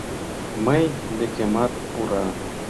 Мый декемат пура.